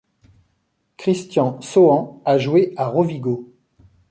Cristian Sauan a joué à Rovigo.